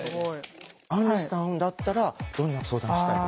あんりさんだったらどんな相談したいですか？